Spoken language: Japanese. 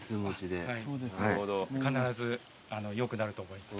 必ず良くなると思います。